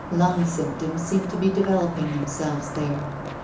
Lung symptoms seemed to be developing themselves there.